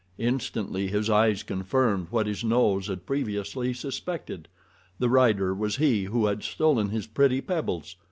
Instantly his eyes confirmed what his nose had previously suspected—the rider was he who had stolen his pretty pebbles.